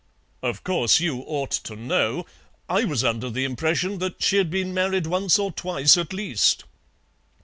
"Of course, you ought to know. I was under the impression that she'd been married once or twice at least."